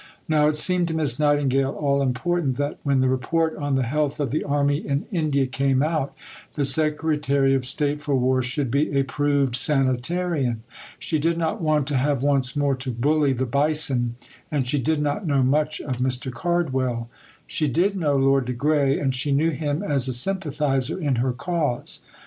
Now it seemed to Miss Nightingale all important that, when the Report on the health of the army in India came out, the Secretary of State for War should be a proved sanitarian. She did not want to have once more to "bully the Bison," and she did not know much of Mr. Cardwell. She did know Lord de Grey, and she knew him as a sympathiser in her cause.